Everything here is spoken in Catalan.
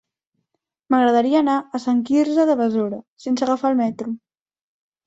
M'agradaria anar a Sant Quirze de Besora sense agafar el metro.